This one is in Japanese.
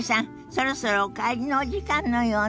そろそろお帰りのお時間のようね。